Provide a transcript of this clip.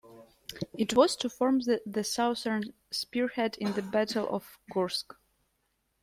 It was to form the southern spearhead in the Battle of Kursk.